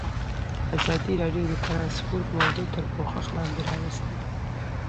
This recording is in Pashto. ازادي راډیو د ترانسپورټ موضوع تر پوښښ لاندې راوستې.